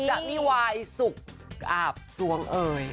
จากนิวายสุขอาบสวงเอ๋ย